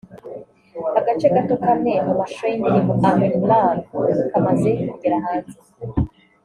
agace gato k’amwe mu mashusho y’indirimbo I am in love kamaze kugera hanze